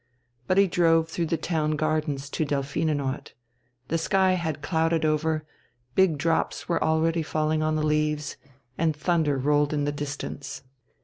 But he drove through the Town Gardens to Delphinenort. The sky had clouded over, big drops were already falling on the leaves, and thunder rolled in the distance.